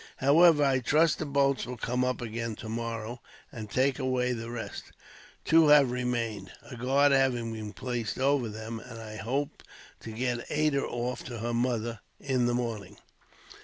"However, I trust the boats will come up again tomorrow, and take away the rest. Two have remained, a guard having been placed over them, and I hope to get Ada off to her mother, in the morning."